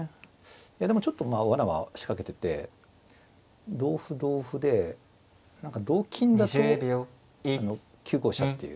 いやでもちょっとまあわなは仕掛けてて同歩同歩で何か同金だと９五飛車っていう。